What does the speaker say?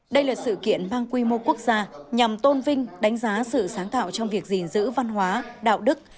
đây là sự kiện mang quy mô quốc gia nhằm tôn vinh đánh giá sự sáng tạo trong việc gìn giữ văn hóa đạo đức